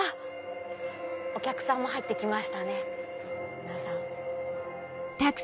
お客さんも入って来ましたね。